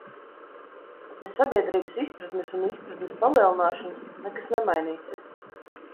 Bez sabiedrības izpratnes un izpratnes palielināšanas nekas nemainīsies.